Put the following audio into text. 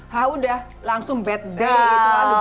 hah udah langsung bad day